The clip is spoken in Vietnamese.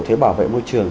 thuế bảo vệ môi trường